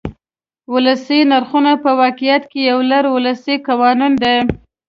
ولسي نرخونه په واقعیت کې یو لړ ولسي قوانین دي.